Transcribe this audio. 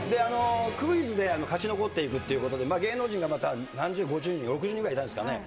クイズで勝ち残っていくっていうことで、芸能人がまた、何十、５０、６０人ぐらいいたんですかね。